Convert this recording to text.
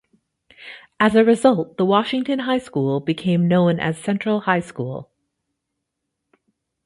As a result, the Washington High School became known as Central High School.